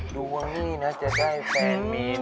ดูลงนี่นะจะได้แฟนมีหนวด